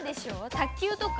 卓球とか？